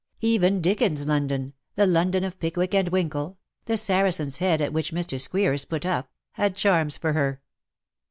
Even Dickens^s London — the London of Pickwick and Winkle — the Saracen^s Head at which Mr. S queers put up — had charms for her.